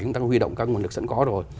chúng ta huy động các nguồn lực sẵn có rồi